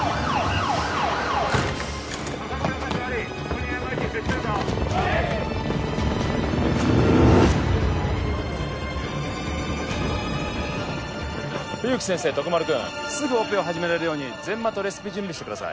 了解冬木先生徳丸君すぐオペを始められるように全麻とレスピ準備してください